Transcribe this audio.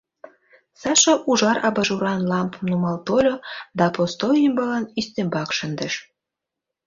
Саша ужар абажуран лампым нумал тольо да посто ӱмбалан ӱстембак шындыш.